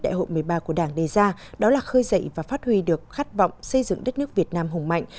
đại hội một mươi ba của đảng đề ra đó là khơi dậy và phát huy được khát vọng xây dựng đất nước việt nam hùng mạnh